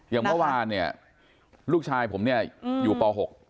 อย่างเมื่อวานลูกชายผมอยู่ศ๖